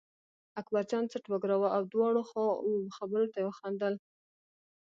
اکبرجان څټ و ګراوه او د دواړو خبرو ته یې وخندل.